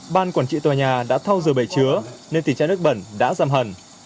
ban quản trị tòa nhà đã thao dừa bày chứa nên tỉnh trái nước bẩn đã giam hẳn